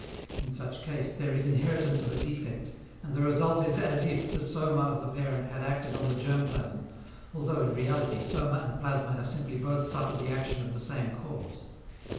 In such case, there is inheritance of a defect, and the result is as if the soma of the parent had acted on the germ plasm, although in reality soma and plasma have simply both suffered the action of the same cause.